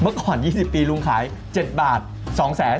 เมื่อก่อน๒๐ปีลุงขาย๗บาท๒แสน